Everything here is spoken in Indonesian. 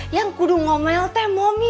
yang kudu ngomel teh mami